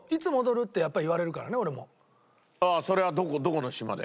それはどこの島で？